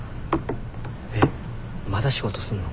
えっまだ仕事すんの？